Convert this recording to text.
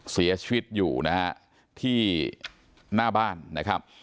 เสียชีวิตอยู่นะฮะที่หน้าบ้านนะครับ